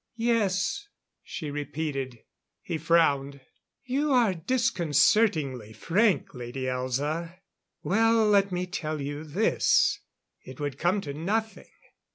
"Yes," she repeated. He frowned. "You are disconcertingly frank, Lady Elza. Well, let me tell you this it would come to nothing.